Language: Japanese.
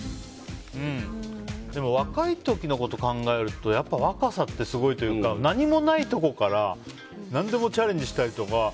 でも若い時のことを考えると若さってすごいというか何もないところから何でもチャレンジしたりとか。